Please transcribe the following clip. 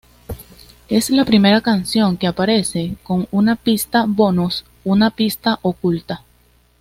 Es la primera canción que aparece con una pista bonus; una pista oculta.